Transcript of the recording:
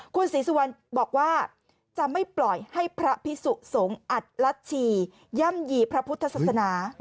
คุณศรีสุวรรณบอกว่าจะไม่ปล่อยให้พระพิสุสงฆ์อัดลัชชีย่ำยี่พระพุทธศาสนา